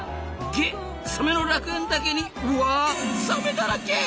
げっサメの楽園だけにうわサメだらけ！